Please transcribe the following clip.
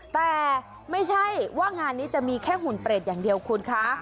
แต่ไม่ใช่ว่างานนี้จะมีแค่หุ่นเปรตอย่างเดียวคุณคะ